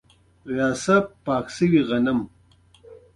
په دروازه کې مې یو سګرټ هم ولګاوه.